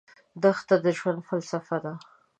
دښته د ژوند فلسفه ده.